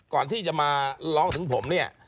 ก่อนที่จะมาร้องถึงผมเนี่ย